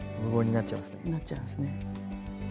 なっちゃいますね。